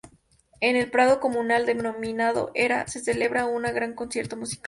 En el prado comunal denominado era, se celebra un gran concierto musical.